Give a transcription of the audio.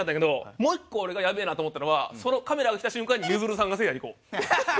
もう一個俺がやべえなって思ったのはそのカメラが来た瞬間にゆずるさんがせいやにこう。